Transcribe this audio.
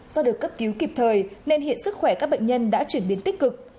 do được cấp cứu kịp thời nên hiện sức khỏe các bệnh nhân đã chuyển biến tích cực